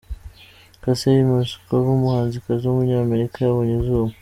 Kacey Musgraves, umuhanzikazi w’umunyamerika yabonye izuba.